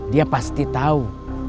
dia pasti tau